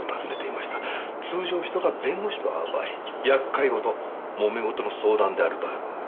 通常人が弁護士と会う場合厄介事もめ事の相談である場合が多い。